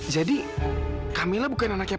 jadi kamila bukan anaknya pak